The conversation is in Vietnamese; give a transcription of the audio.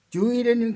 chú ý đến những